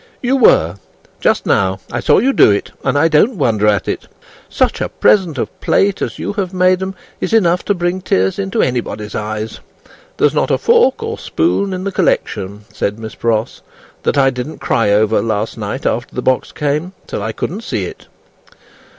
"You were, just now; I saw you do it, and I don't wonder at it. Such a present of plate as you have made 'em, is enough to bring tears into anybody's eyes. There's not a fork or a spoon in the collection," said Miss Pross, "that I didn't cry over, last night after the box came, till I couldn't see it."